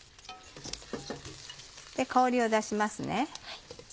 香りを出しますね。